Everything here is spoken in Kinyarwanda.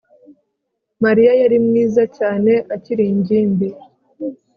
Mariya yari mwiza cyane akiri ingimbi